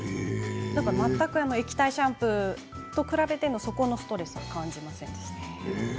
全く、液体シャンプーと比べてそこのストレスは感じませんでした。